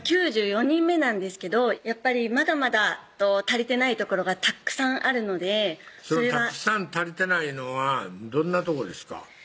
９４人目なんですけどやっぱりまだまだ足りてないところがたっくさんあるのでそのたっくさん足りてないのはどんなとこですか？